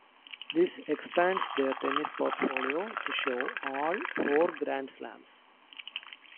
This expands their tennis portfolio to show all four Grand Slams.